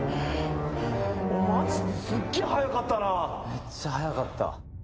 めっちゃ速かった。